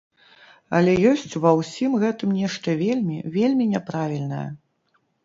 Але ёсць ва ўсім гэтым нешта вельмі, вельмі няправільнае.